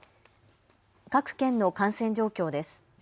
各県の感染状況です。